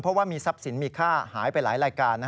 เพราะว่ามีทรัพย์สินมีค่าหายไปหลายรายการ